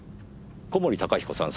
小森高彦さん